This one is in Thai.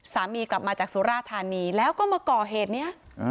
สามีกลับมาจากสุราธานีแล้วก็มาก่อเหตุนี้